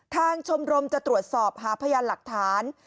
ชมรมจะตรวจสอบหาพยานหลักฐาน